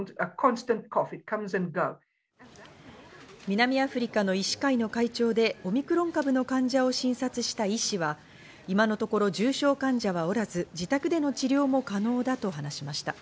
南アフリカの医師会の会長でオミクロン株の患者を診察した医師は、今のところ重症患者はおらず、自宅での治療も可能だと話しました。